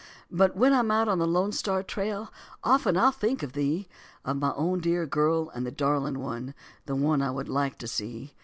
But when I'm out on the Lone Star Trail often I'll think of thee, Of my own dear girl, the darling one, the one I would like to see.